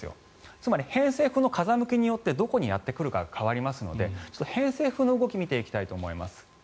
つまり、偏西風の風向きによってどこにやってくるかが変わりますので偏西風の動きを見ていきたいと思います。